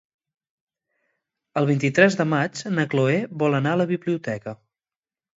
El vint-i-tres de maig na Chloé vol anar a la biblioteca.